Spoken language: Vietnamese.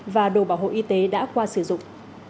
và đồ bảo hộ y tế đã qua sử dụng